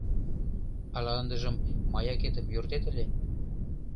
— Ала ындыжым «Маякетым» йӧртет ыле?